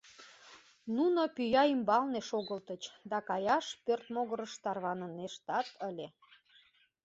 Нуно пӱя ӱмбалне шогылтыч да каяш пӧрт могырыш тарванынештат ыле.